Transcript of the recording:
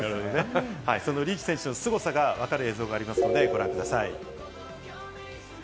そのリーチ選手のすごさが分かる映像がありますので、ご覧ください。